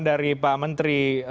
dari pak menteri